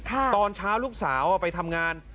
ตอนเช้าลูกสาวไปทำงาน